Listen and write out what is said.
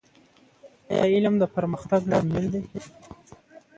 ایا علم د پرمختګ لامل دی؟